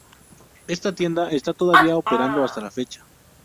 Esta tienda está todavía operando hasta la fecha.